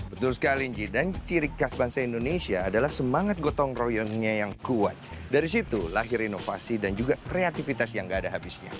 betul sekali nji dan ciri khas bangsa indonesia adalah semangat gotong royongnya yang kuat dari situ lahir inovasi dan juga kreativitas yang gak ada habisnya